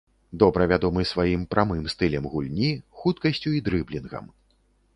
Добра вядомы сваім прамым стылем гульні, хуткасцю і дрыблінгам.